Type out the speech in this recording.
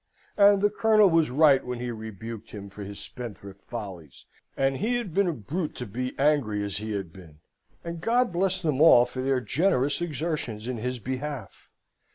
And the Colonel was right when he rebuked him for his spendthrift follies, and he had been a brute to be angry as he had been, and God bless them all for their generous exertions in his behalf!